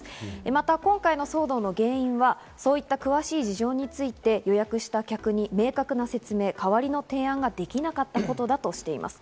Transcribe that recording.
また今回の騒動の原因はそういった詳しい事情について予約した客に明確な説明や代わりの提案ができなかったことだとしています。